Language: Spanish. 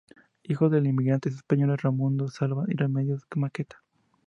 Hijo de los inmigrantes españoles Raymundo Salvat y Remedios Maqueda.